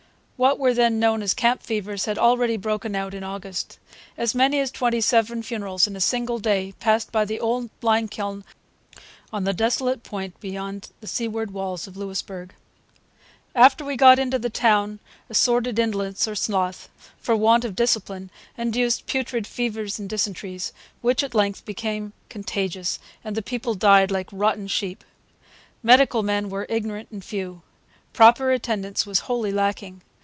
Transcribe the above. What were then known as camp fevers had already broken out in August. As many as twenty seven funerals in a single day passed by the old lime kiln on the desolate point beyond the seaward walls of Louisbourg. 'After we got into the Towne, a sordid indolence or Sloth, for want of Discipline, induced putrid fevers and dyssentrys, which at length became contagious, and the people died like rotten sheep.' Medical men were ignorant and few. Proper attendance was wholly lacking.